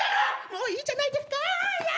もういいじゃないですかや！！